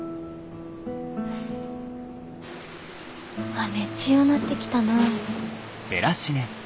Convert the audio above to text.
雨強なってきたな。